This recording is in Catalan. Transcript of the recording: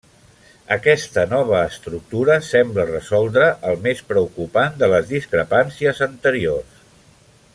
Aquesta nova estructura sembla resoldre el més preocupant de les discrepàncies anteriors.